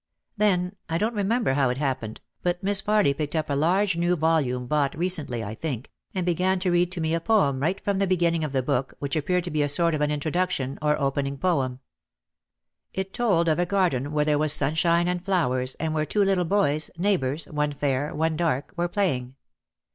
Then, I don't remember how it happened, but Miss Farly picked up a large new volume bought recently I think, and began to read to me a poem right from the beginning of the book which appeared to be a sort of an introduc tion or opening poem. It told of a garden where there was sunshine and flowers and where two little boys, neighbours, one fair, one dark, were playing.